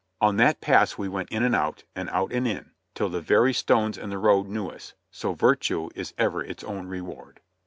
On that pass we went in and out, and out and in, till the very stones in the road knew us; so virtue is ever its own reward.